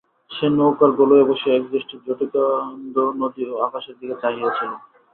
সে নৌকার গলুইয়ে বসিয়া একদৃষ্টি ঝটিকাঙ্কুব্ধ নদী ও আকাশের দিকে চাহিয়া ছিল।